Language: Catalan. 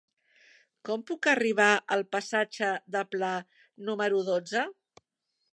Com puc arribar al passatge de Pla número dotze?